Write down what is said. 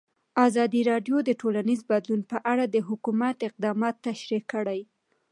ازادي راډیو د ټولنیز بدلون په اړه د حکومت اقدامات تشریح کړي.